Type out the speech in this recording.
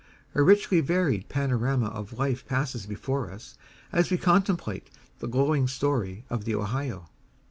A richly varied panorama of life passes before us as we contemplate the glowing story of the Ohio.